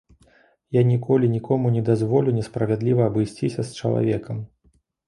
Я ніколі нікому не дазволю несправядліва абысціся з чалавекам.